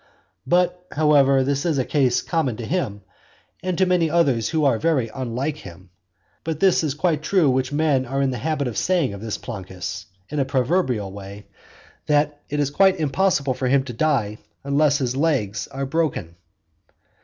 But, however, this is a case common to him and to many others who are very unlike him. But this is quite true which men are in the habit of saying of this Plancus in a proverbial way, that it is quite impossible for him to die unless his legs are broken.